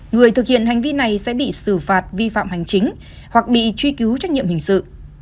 người thực hiện hành vi này sẽ bị xử phạt vi phạm hành chính hoặc bị truy cứu trách nhiệm hình sự